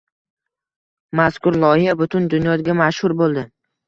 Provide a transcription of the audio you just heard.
Mazkur loyiha butun dunyoga mashhur bo‘ldi.